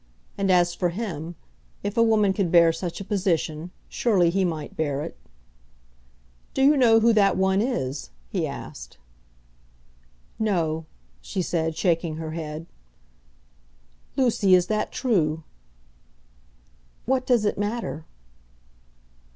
And as for him if a woman could bear such a position, surely he might bear it. "Do you know who that one is?" he asked. "No," she said, shaking her head. "Lucy, is that true?" "What does it matter?"